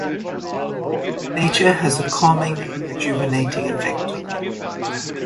Nature has a calming and rejuvenating effect on me.